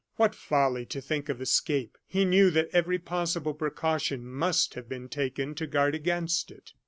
What folly to think of escape! He knew that every possible precaution must have been taken to guard against it.